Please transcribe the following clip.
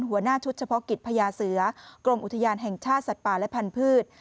หัวหน้าชุดเฉพาะกิจพญาเสือกรมอุทยานแห่งชาติสัตว์ป่าและพันธุ์